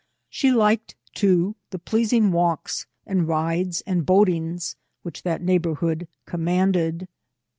She liked, too, the pleasing walks, and rides, and boatings, which that neighbourhood commanded.